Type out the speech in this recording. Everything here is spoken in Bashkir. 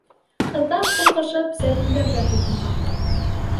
Ҡыҙҙар, ҡурҡышып, сәрелдәргә тотонған.